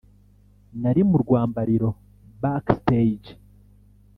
“Nari mu rwambariro(backstage)